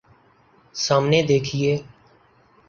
سامنے دیکھئے